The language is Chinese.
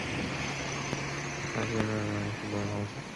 辖区内内有许多马牧场。